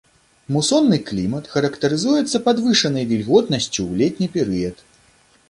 Мусонны клімат характарызуецца падвышанай вільготнасцю ў летні перыяд.